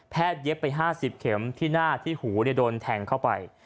แพทย์เย็บไป๕๐เข็มที่หน้าที่หูเนี่ยโดนแทงเข้าไป